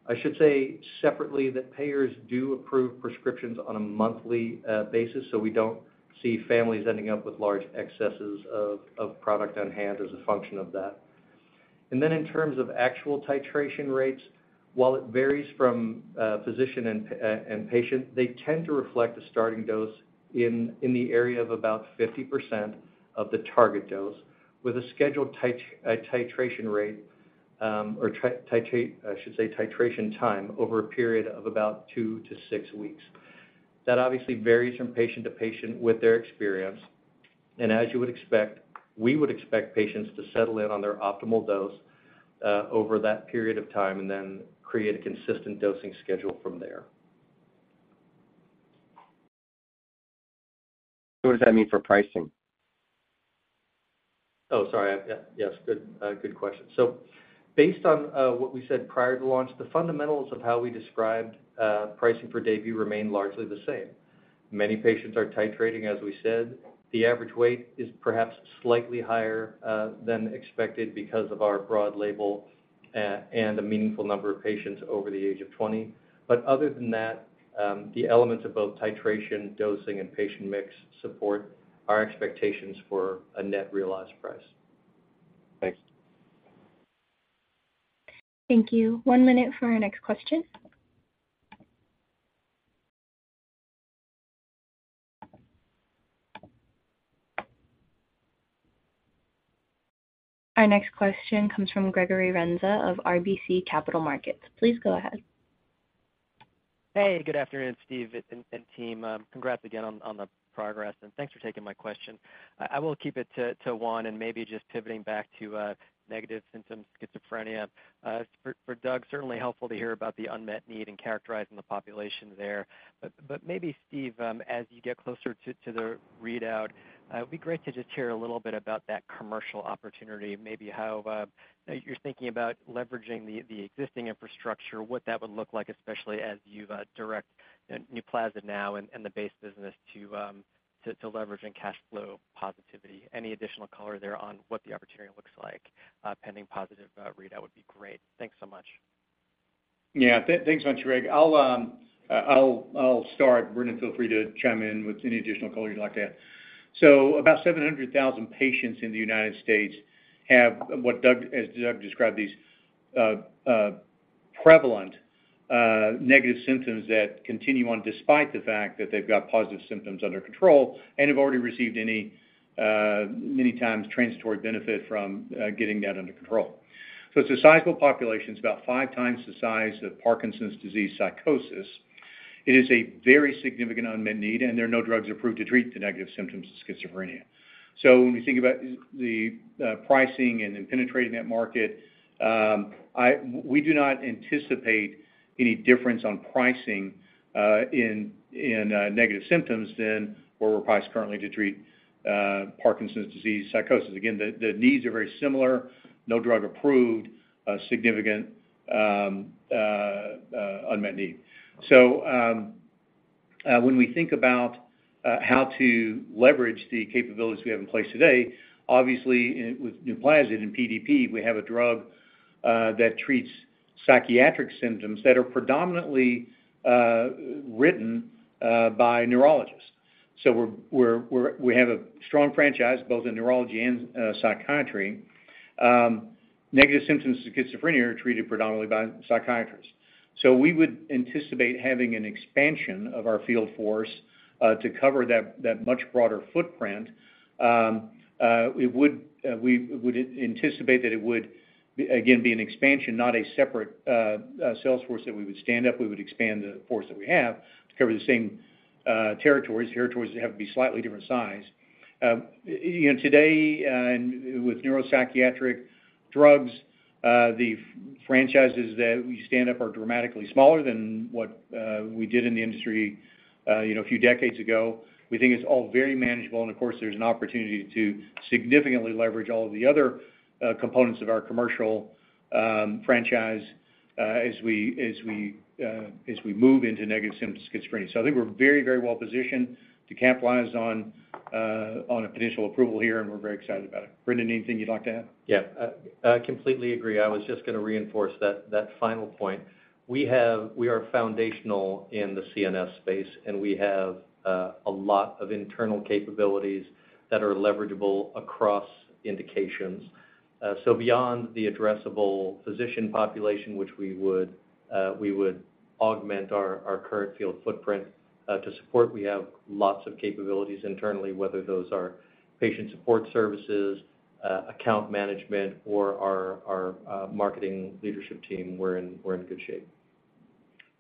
Speaker 4: I should say separately, that payers do approve prescriptions on a monthly basis, so we don't see families ending up with large excesses of product on hand as a function of that. In terms of actual titration rates, while it varies from physician and patient, they tend to reflect a starting dose in the area of about 50% of the target dose, with a scheduled titration rate, or titrate, I should say, titration time over a period of about 2-6 weeks. That obviously varies from patient to patient with their experience, and as you would expect, we would expect patients to settle in on their optimal dose, over that period of time and then create a consistent dosing schedule from there.
Speaker 8: What does that mean for pricing?
Speaker 4: Oh, sorry. Yes, good, good question. Based on what we said prior to launch, the fundamentals of how we described pricing for DAYBUE remain largely the same. Many patients are titrating, as we said. The average weight is perhaps slightly higher than expected because of our broad label and a meaningful number of patients over the age of 20. Other than that, the elements of both titration, dosing, and patient mix support our expectations for a net realized price.
Speaker 8: Thank you.
Speaker 1: Thank you. One minute for our next question. Our next question comes from Gregory Renza of RBC Capital Markets. Please go ahead.
Speaker 9: Hey, good afternoon, Steve and team. Congrats again on the progress, and thanks for taking my question. I will keep it to one and maybe just pivoting back to negative symptoms schizophrenia. For Doug, certainly helpful to hear about the unmet need and characterizing the population there. But maybe Steve, as you get closer to the readout, it'd be great to just hear a little bit about that commercial opportunity, maybe how you're thinking about leveraging the existing infrastructure, what that would look like, especially as you've direct NUPLAZID now and the base business to leverage and cash flow positivity. Any additional color there on what the opportunity looks like, pending positive readout would be great. Thanks so much.
Speaker 3: Yeah. Thanks much, Greg. I'll start, Vernon, feel free to chime in with any additional color you'd like to add. About 700,000 patients in the United States have what Doug, as Doug described, these prevalent negative symptoms that continue on despite the fact that they've got positive symptoms under control and have already received any many times transitory benefit from getting that under control. It's a sizable population. It's about 5 times the size of Parkinson's disease psychosis. It is a very significant unmet need, and there are no drugs approved to treat the negative symptoms of schizophrenia. When we think about the pricing and then penetrating that market, we do not anticipate any difference on pricing in negative symptoms than where we're priced currently to treat Parkinson's disease psychosis. Again, the needs are very similar, no drug approved, a significant unmet need. When we think about how to leverage the capabilities we have in place today, obviously, with NUPLAZID and PDP, we have a drug that treats psychiatric symptoms that are predominantly written by neurologists. We have a strong franchise, both in neurology and psychiatry. Negative symptoms of schizophrenia are treated predominantly by psychiatrists. We would anticipate having an expansion of our field force to cover that, that much broader footprint. We would, we would anticipate that it would, again, be an expansion, not a separate sales force that we would stand up. We would expand the force that we have to cover the same territories. Territories that have to be slightly different size. You know, today and with neuropsychiatric drugs, the franchises that we stand up are dramatically smaller than what we did in the industry, you know, a few decades ago. We think it's all very manageable, and of course, there's an opportunity to significantly leverage all of the other, components of our commercial, franchise, as we, as we, as we move into negative symptoms schizophrenia. I think we're very, very well positioned to capitalize on a potential approval here, and we're very excited about it. Brendan, anything you'd like to add?
Speaker 4: Yeah, I, I completely agree. I was just going to reinforce that, that final point. We are foundational in the CNS space, and we have a lot of internal capabilities that are leveragable across indications. Beyond the addressable physician population, which we would augment our current field footprint to support, we have lots of capabilities internally, whether those are patient support services, account management, or our marketing leadership team, we're in, we're in good shape.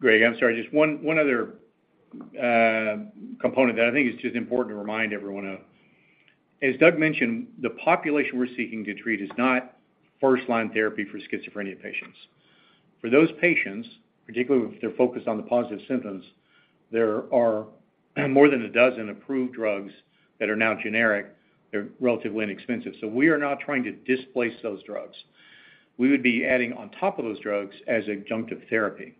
Speaker 3: Greg, I'm sorry, just 1, 1 other component that I think is just important to remind everyone of. As Doug mentioned, the population we're seeking to treat is not first-line therapy for schizophrenia patients. For those patients, particularly if they're focused on the positive symptoms, there are more than 12 approved drugs that are now generic. They're relatively inexpensive. We are not trying to displace those drugs. We would be adding on top of those drugs as adjunctive therapy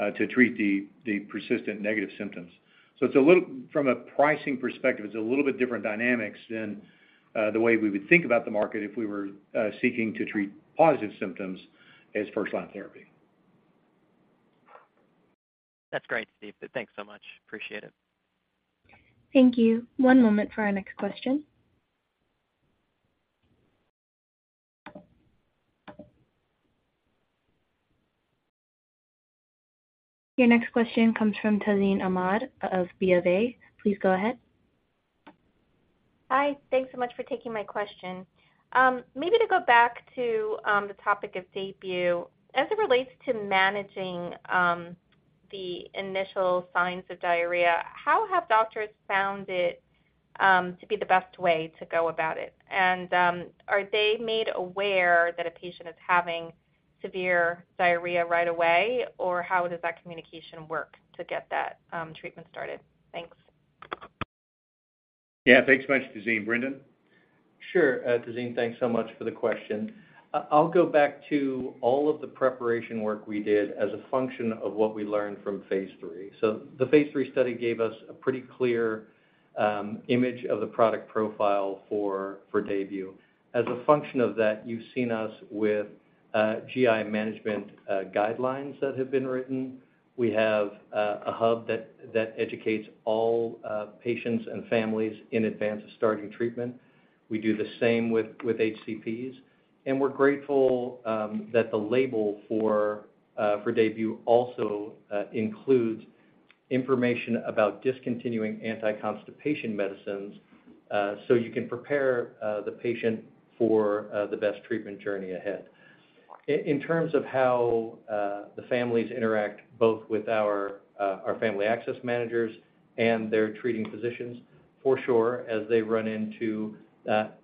Speaker 3: to treat the, the persistent negative symptoms. It's a little from a pricing perspective, it's a little bit different dynamics than the way we would think about the market if we were seeking to treat positive symptoms as first-line therapy.
Speaker 9: That's great, Steve. Thanks so much. Appreciate it.
Speaker 1: Thank you. One moment for our next question. Your next question comes from Tazeen Ahmad of BofA. Please go ahead.
Speaker 10: Hi, thanks so much for taking my question. Maybe to go back to the topic of DAYBUE. As it relates to managing the initial signs of diarrhea, how have doctors found it to be the best way to go about it? Are they made aware that a patient is having severe diarrhea right away, or how does that communication work to get that treatment started? Thanks.
Speaker 3: Yeah, thanks so much, Tazeen. Brendan?
Speaker 4: Sure, Tazeen, thanks so much for the question. I'll go back to all of the preparation work we did as a function of what we learned from phase 3. The phase 3 study gave us a pretty clear image of the product profile for DAYBUE. As a function of that, you've seen us with GI management guidelines that have been written. We have a hub that educates all patients and families in advance of starting treatment. We do the same with HCPs, and we're grateful that the label for DAYBUE also includes information about discontinuing anti-constipation medicines, so you can prepare the patient for the best treatment journey ahead. In terms of how the families interact, both with our Family Access Managers and their treating physicians, for sure, as they run into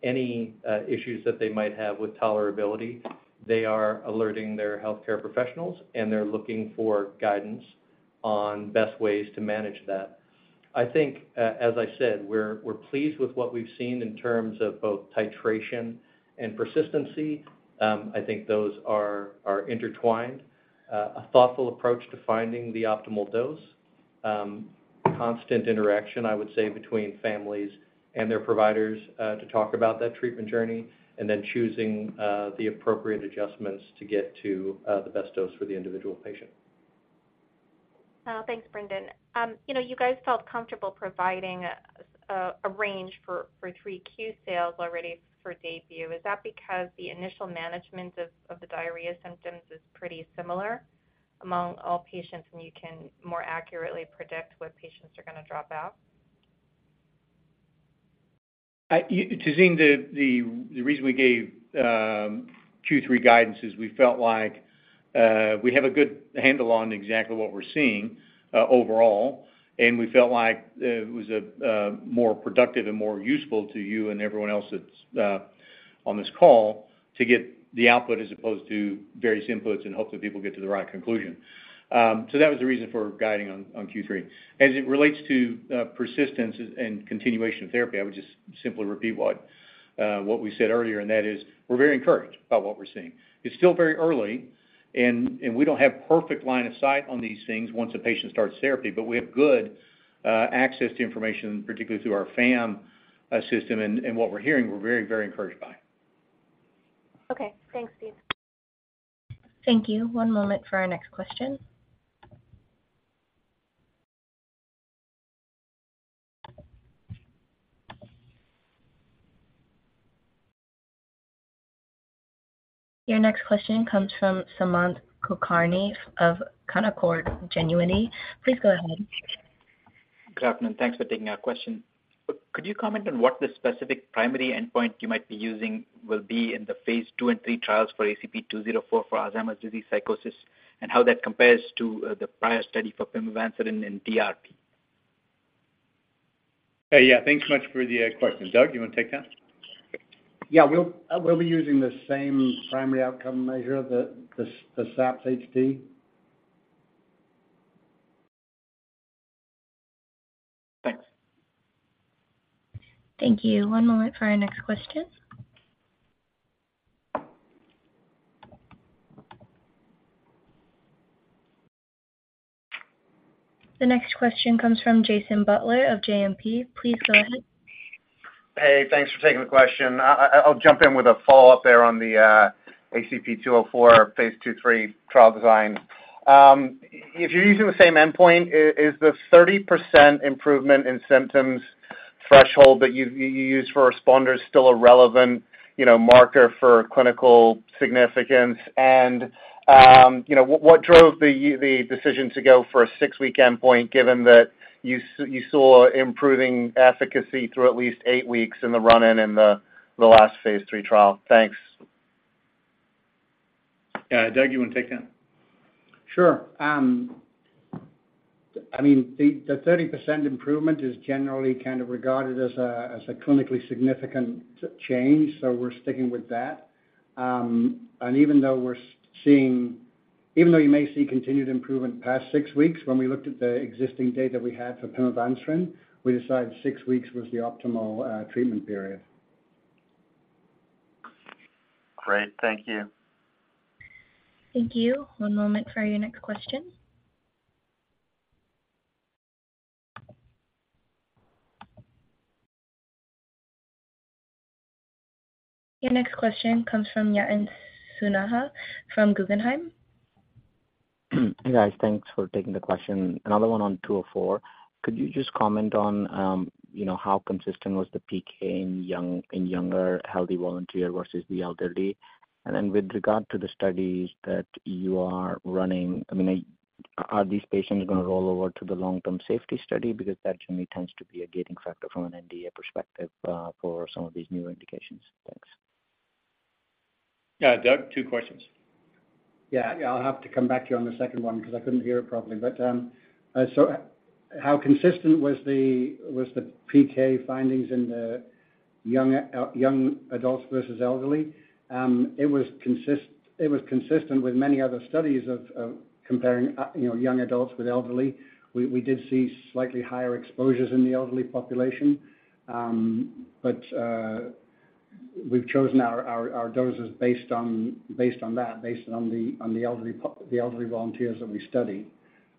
Speaker 4: any issues that they might have with tolerability, they are alerting their healthcare professionals, and they're looking for guidance on best ways to manage that. I think, as I said, we're, we're pleased with what we've seen in terms of both titration and persistency. I think those are, are intertwined. A thoughtful approach to finding the optimal dose, constant interaction, I would say, between families and their providers, to talk about that treatment journey, and then choosing the appropriate adjustments to get to the best dose for the individual patient.
Speaker 10: Thanks, Brendan. You know, you guys felt comfortable providing a range for 3Q sales already for DAYBUE. Is that because the initial management of the diarrhea symptoms is pretty similar among all patients, and you can more accurately predict what patients are going to drop out?
Speaker 3: You Tazeen, the, the, the reason we gave Q3 guidance is we felt like we have a good handle on exactly what we're seeing overall, and we felt like it was more productive and more useful to you and everyone else that's on this call to get the output as opposed to various inputs and hope that people get to the right conclusion. That was the reason for guiding on, on Q3. As it relates to persistence and, and continuation of therapy, I would just simply repeat what we said earlier, and that is, we're very encouraged by what we're seeing. It's still very early, and we don't have perfect line of sight on these things once a patient starts therapy, but we have good, access to information, particularly through our FAM system and what we're hearing, we're very, very encouraged by.
Speaker 10: Okay. Thanks, Steve.
Speaker 1: Thank you. One moment for our next question. Your next question comes from Sumant Kulkarni of Canaccord Genuity. Please go ahead.
Speaker 11: Good afternoon. Thanks for taking our question. Could you comment on what the specific primary endpoint you might be using will be in the phase 2 and 3 trials for ACP-204 for Alzheimer's disease psychosis, and how that compares to the prior study for pimavanserin in DRP?
Speaker 3: Hey, yeah, thanks so much for the question. Doug, you want to take that?
Speaker 5: Yeah, we'll, we'll be using the same primary outcome measure, the, the, the SAPS-H+D.
Speaker 11: Thanks.
Speaker 1: Thank you. One moment for our next question. The next question comes from Jason Butler of JMP. Please go ahead.
Speaker 12: Hey, thanks for taking the question. I, I'll jump in with a follow-up there on the ACP-204, phase 2, 3 trial design. If you're using the same endpoint, is the 30% improvement in symptoms threshold that you, you used for responders still a relevant, you know, marker for clinical significance? You know, what, what drove the decision to go for a 6-week endpoint, given that you saw, you saw improving efficacy through at least 8 weeks in the run-in in the, the last phase 3 trial? Thanks.
Speaker 3: Yeah, Doug, you want to take that?
Speaker 5: Sure. I mean, the, the 30% improvement is generally kind of regarded as a, as a clinically significant change, so we're sticking with that. Even though we're seeing... Even though you may see continued improvement past 6 weeks, when we looked at the existing data we had for pimavanserin, we decided 6 weeks was the optimal treatment period.
Speaker 12: Great. Thank you.
Speaker 1: Thank you. One moment for your next question. Your next question comes from Yatin Suneja from Guggenheim.
Speaker 13: Hey, guys. Thanks for taking the question. Another one on ACP-204. Could you just comment on, you know, how consistent was the PK in younger, healthy volunteer versus the elderly? With regard to the studies that you are running, I mean, are these patients going to roll over to the long-term safety study? That generally tends to be a gating factor from an NDA perspective for some of these new indications. Thanks.
Speaker 3: Yeah, Doug, two questions.
Speaker 5: Yeah. I'll have to come back to you on the second one because I couldn't hear it properly. So how consistent was the PK findings in the young adults versus elderly? It was consistent with many other studies of, of comparing, you know, young adults with elderly. We, we did see slightly higher exposures in the elderly population. We've chosen our doses based on, based on that, based on the elderly volunteers that we studied.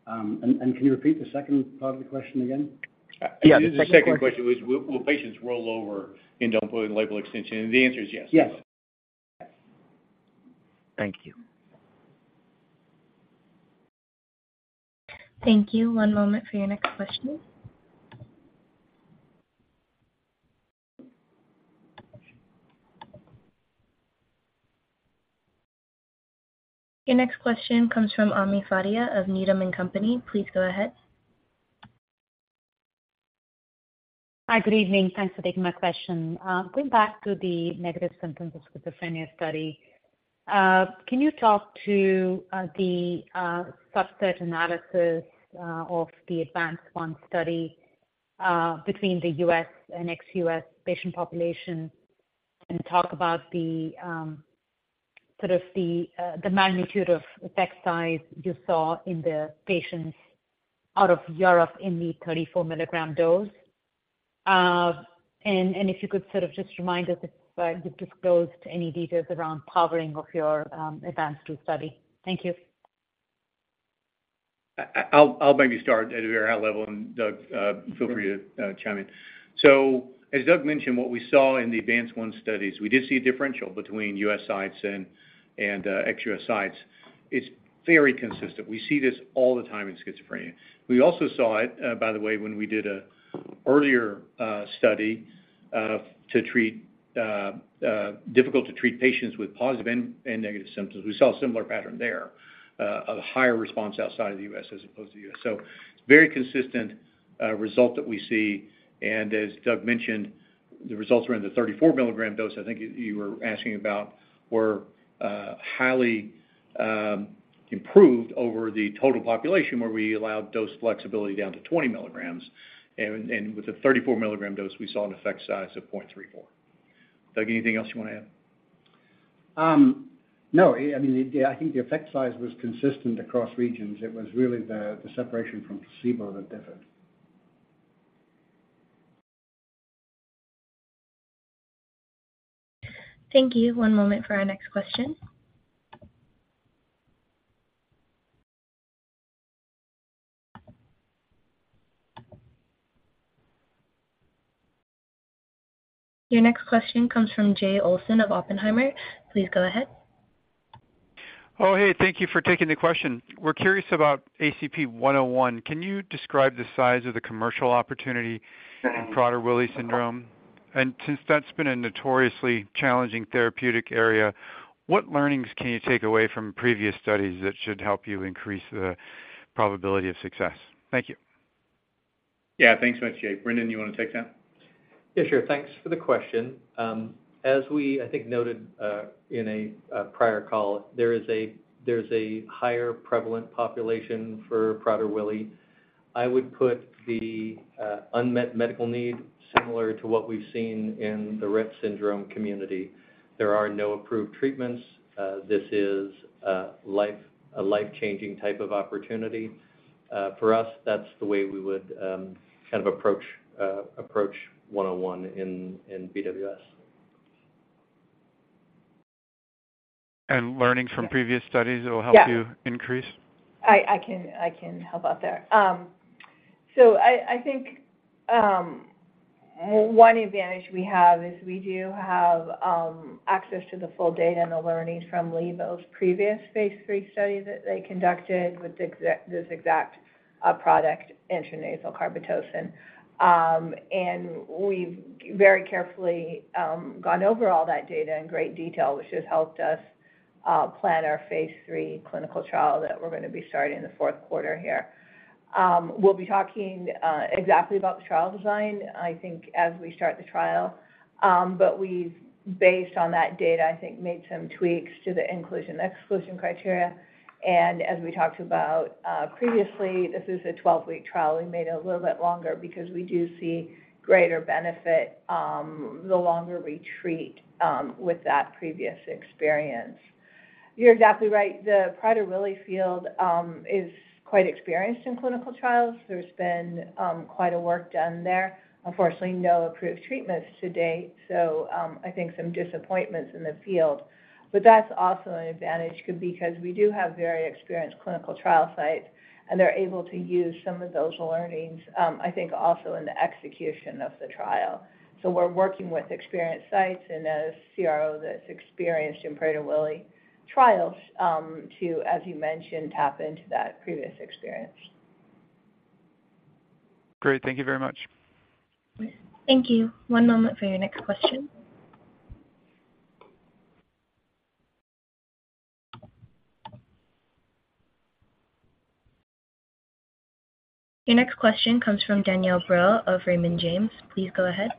Speaker 5: Can you repeat the second part of the question again?
Speaker 13: Yeah, the second question-
Speaker 3: The second question was, will patients roll over in open-label extension? The answer is yes.
Speaker 5: Yes.
Speaker 13: Thank you.
Speaker 1: Thank you. One moment for your next question. Your next question comes from Ami Fadia of Needham & Company. Please go ahead.
Speaker 14: Hi, good evening. Thanks for taking my question. Going back to the negative symptoms of schizophrenia study, can you talk to the subset analysis of the ADVANCE-1 study between the U.S. and ex-U.S. patient population, and talk about the sort of the magnitude of effect size you saw in the patients out of Europe in the 34 milligram dose? And if you could sort of just remind us if you've disclosed any details around powering of your ADVANCE-2 study. Thank you.
Speaker 3: I'll maybe start at a very high level, and Doug, feel free to chime in. As Doug mentioned, what we saw in the ADVANCE-1 studies, we did see a differential between U.S. sites and ex-U.S. sites. It's very consistent. We see this all the time in schizophrenia. We also saw it, by the way, when we did a earlier study to treat difficult to treat patients with positive and negative symptoms. We saw a similar pattern there, of higher response outside of the U.S. as opposed to U.S. It's a very consistent result that we see, and as Doug mentioned, the results were in the 34 milligram dose, I think you were asking about, were highly improved over the total population, where we allowed dose flexibility down to 20 milligrams. With a 34 milligram dose, we saw an effect size of 0.34. Doug, anything else you want to add?
Speaker 5: No. I mean, I think the effect size was consistent across regions. It was really the separation from placebo that differed.
Speaker 1: Thank you. One moment for our next question. Your next question comes from Jay Olson of Oppenheimer. Please go ahead.
Speaker 15: Oh, hey, thank you for taking the question. We're curious about ACP-101. Can you describe the size of the commercial opportunity in Prader-Willi syndrome? Since that's been a notoriously challenging therapeutic area, what learnings can you take away from previous studies that should help you increase the probability of success? Thank you.
Speaker 3: Yeah, thanks much, Jay. Brendan, you want to take that?
Speaker 4: Yeah, sure. Thanks for the question. As we, I think, noted, in a prior call, there's a higher prevalent population for Prader-Willi. I would put the unmet medical need similar to what we've seen in the Rett syndrome community. There are no approved treatments. This is a life, a life-changing type of opportunity. For us, that's the way we would kind of approach ACP-101 in PWS.
Speaker 15: Learning from previous studies will help you.
Speaker 16: Yeah.
Speaker 15: Increase?
Speaker 16: I, I can, I can help out there. I, I think, one advantage we have is we do have access to the full data and the learnings from Neuren's previous phase 3 study that they conducted with this exact product, intranasal carbetocin. We've very carefully gone over all that data in great detail, which has helped us plan our phase 3 clinical trial that we're gonna be starting in the fourth quarter here. We'll be talking exactly about the trial design, I think, as we start the trial. We've, based on that data, I think, made some tweaks to the inclusion/exclusion criteria. As we talked about previously, this is a 12-week trial. We made it a little bit longer because we do see greater benefit, the longer we treat, with that previous experience. You're exactly right. The Prader-Willi field is quite experienced in clinical trials. There's been quite a work done there. Unfortunately, no approved treatments to date, so I think some disappointments in the field. But that's also an advantage because we do have very experienced clinical trial sites, and they're able to use some of those learnings, I think, also in the execution of the trial. So we're working with experienced sites and a CRO that's experienced in Prader-Willi trials, to, as you mentioned, tap into that previous experience.
Speaker 15: Great. Thank you very much.
Speaker 1: Thank you. One moment for your next question. Your next question comes from Danielle Brill of Raymond James. Please go ahead.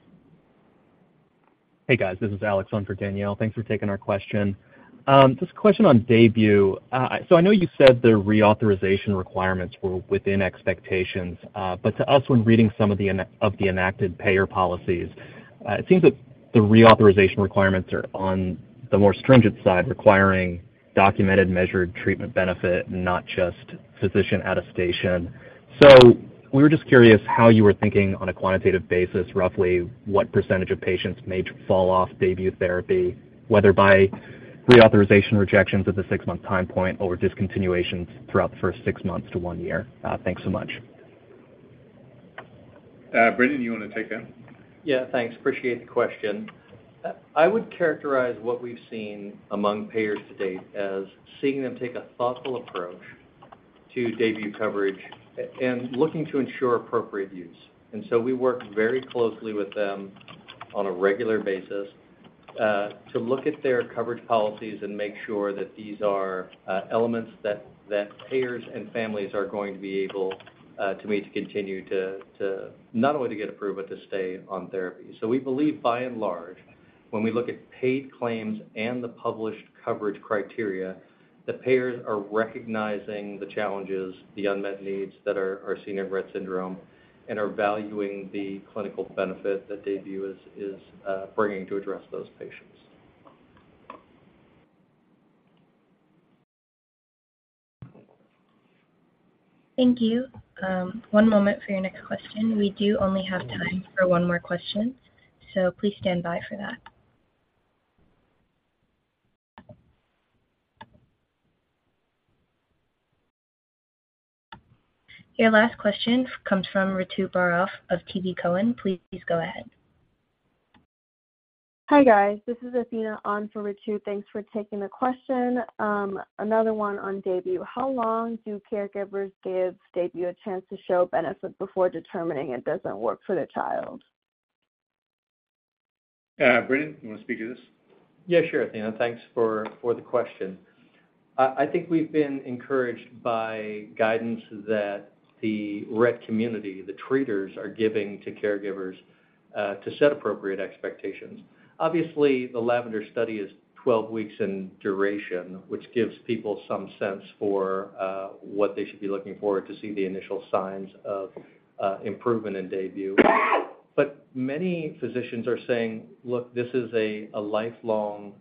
Speaker 17: Hey, guys. This is Alex on for Danielle. Thanks for taking our question. Just a question on DAYBUE. I know you said the reauthorization requirements were within expectations, but to us, when reading some of the enacted payer policies, it seems that the reauthorization requirements are on the more stringent side, requiring documented measured treatment benefit, not just physician attestation. We were just curious how you were thinking on a quantitative basis, roughly what percentage of patients may fall off DAYBUE therapy, whether by reauthorization rejections at the six-month time point or discontinuations throughout the first six months to one year? Thanks so much.
Speaker 3: Brendan, you want to take that?
Speaker 4: Yeah, thanks. Appreciate the question. I would characterize what we've seen among payers to date as seeing them take a thoughtful approach to DAYBUE coverage and looking to ensure appropriate use. We work very closely with them on a regular basis to look at their coverage policies and make sure that these are elements that payers and families are going to be able to meet to continue to not only to get approved, but to stay on therapy. We believe, by and large, when we look at paid claims and the published coverage criteria, the payers are recognizing the challenges, the unmet needs that are seen in Rett syndrome and are valuing the clinical benefit that they view as is bringing to address those patients.
Speaker 1: Thank you. 1 moment for your next question. We do only have time for 1 more question. Please stand by for that. Your last question comes from Ritu Baral of TD Cowen. Please go ahead.
Speaker 18: Hi, guys. This is Athena on for Ritu. Thanks for taking the question. Another one on DAYBUE. How long do caregivers give DAYBUE a chance to show benefit before determining it doesn't work for their child?
Speaker 3: Brendan, you want to speak to this?
Speaker 4: Yeah, sure, Athena. Thanks for, for the question. I, I think we've been encouraged by guidance that the Rett community, the treaters, are giving to caregivers to set appropriate expectations. Obviously, the LAVENDER study is 12 weeks in duration, which gives people some sense for what they should be looking for to see the initial signs of improvement in DAYBUE. Many physicians are saying: Look, this is a lifelong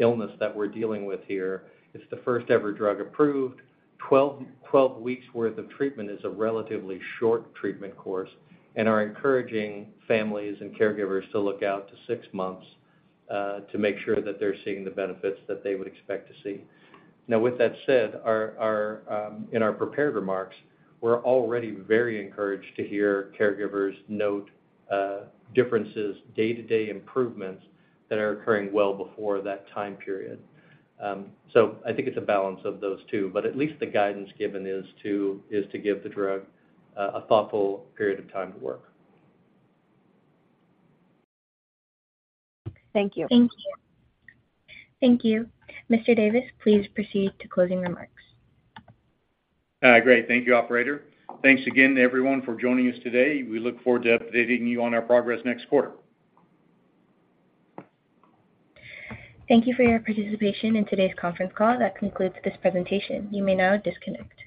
Speaker 4: illness that we're dealing with here. It's the first-ever drug approved. 12, 12 weeks worth of treatment is a relatively short treatment course and are encouraging families and caregivers to look out to 6 months to make sure that they're seeing the benefits that they would expect to see. With that said, our, our, in our prepared remarks, we're already very encouraged to hear caregivers note, differences, day-to-day improvements that are occurring well before that time period. I think it's a balance of those two, but at least the guidance given is to, is to give the drug, a thoughtful period of time to work.
Speaker 18: Thank you.
Speaker 1: Thank you. Thank you. Mr. Davis, please proceed to closing remarks.
Speaker 3: Great. Thank you, operator. Thanks again to everyone for joining us today. We look forward to updating you on our progress next quarter.
Speaker 1: Thank you for your participation in today's conference call. That concludes this presentation. You may now disconnect. Good day.